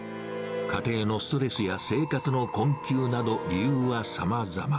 家庭のストレスや生活の困窮など、理由はさまざま。